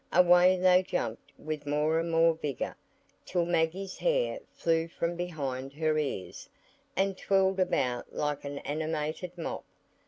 Away they jumped with more and more vigor, till Maggie's hair flew from behind her ears, and twirled about like an animated mop.